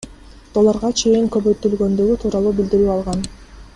долларга чейин көбөйтүлгөндүгү тууралуу билдирүү алган.